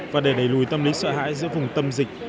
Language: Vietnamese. và để đẩy lùi tâm lý sợ hãi giữa vùng tâm dịch